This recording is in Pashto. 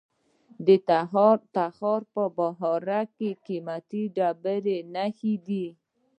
د تخار په بهارک کې د قیمتي ډبرو نښې دي.